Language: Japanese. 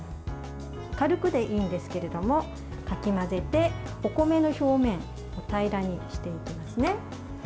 軽くでいいんですけれどもかき混ぜてお米の表面を平らにしていきますね。